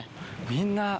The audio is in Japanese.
みんな。